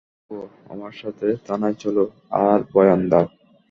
দেখো, আমার সাথে থানায় চলো, আর বয়ান দাও।